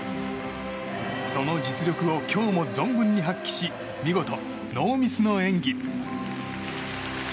その実力を今日も存分に発揮し見事ノーミスの演技。